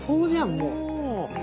もう。